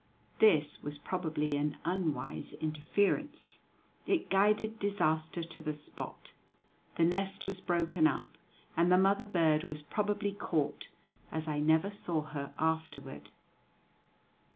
This was probably an unwise interference: it guided disaster to the spot; the nest was broken up, and the mother bird was probably caught, as I never saw her afterward.